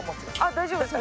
大丈夫です。